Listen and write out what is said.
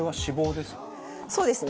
そうですね。